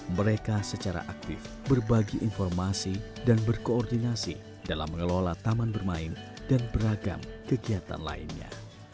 mereka secara aktif berbagi informasi dan berkoordinasi dalam mengelola taman bermain dan beragam kegiatan lainnya